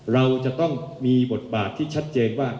เราจะต้องมีบทบาทที่ชัดเจนว่า